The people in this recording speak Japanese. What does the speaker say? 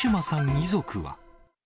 遺族は。